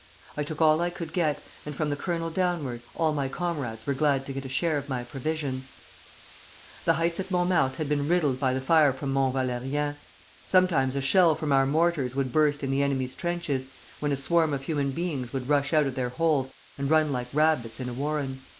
I took all I could get, and from the colonel downward, all my comrades were glad to get a share of my provisions. The heights of Montmartre had been riddled by the fire from Mont Valérien. Sometimes a shell from our mortars would burst in the enemy's trenches, when a swarm of human beings would rush out of their holes and run like rabbits in a warren."